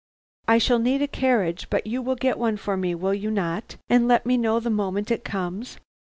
I shall need a carriage, but you will get one for me, will you not, and let me know the moment it comes.